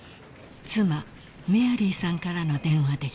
［妻メアリーさんからの電話でした］